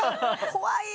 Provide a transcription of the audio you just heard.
怖い。